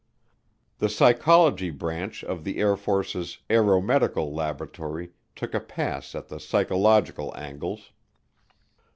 The Psychology Branch of the Air Force's Aeromedical Laboratory took a pass at the psychological angles.